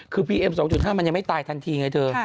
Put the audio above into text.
คือพีเอ็ม๒๕มันยังไม่ตายทันทีไงเธอ